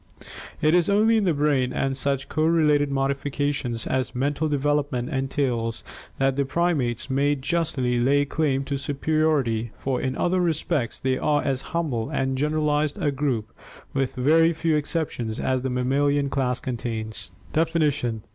It is only in the brain and such correlated modifications as mental development entails that the primates may justly lay claim to superiority, for in other respects they are as humble and generalized a group, with very few exceptions, as the mammalian class contains. Definition.